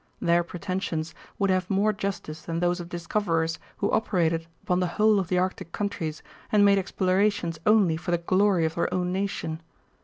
Their pretensions would have more justice than those of discoverers who operated upon the whole of the Arctic countries and made explorations only for the glory of their own nation.